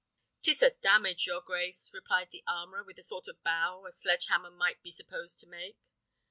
"'Tis a damage, your grace," replied the armourer, with the sort of bow a sledge hammer might be supposed to make.